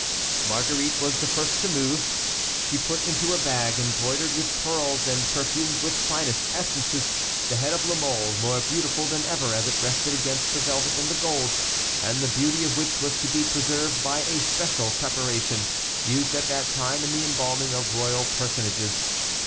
Marguerite was the first to move. She put into a bag, embroidered with pearls and perfumed with finest essences, the head of La Mole, more beautiful than ever as it rested against the velvet and the gold, and the beauty of which was to be preserved by a special preparation, used at that time in the embalming of royal personages.